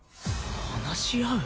話し合う？